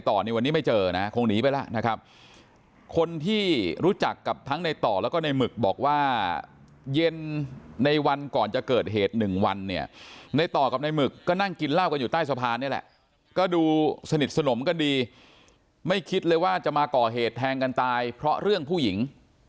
ที่รู้จักกับทั้งในต่อแล้วก็ในหมึกบอกว่าเย็นในวันก่อนจะเกิดเหตุหนึ่งวันเนี่ยในต่อกับในหมึกก็นั่งกินลาวกันอยู่ใต้สภาพนี่แหละก็ดูสนิทสนมก็ดีไม่คิดเลยว่าจะมาก่อเหตุแทงกันตายเพราะเรื่องผู้หญิง